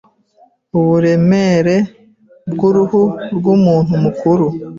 Uburemere bw’uruhu rw’umuntu mukuru